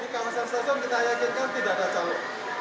di kawasan stasiun kita yakin kan tidak ada calo